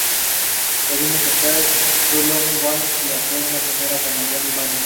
Pudimos hacer 'True Love Waits' y hacer que sonara como John Mayer.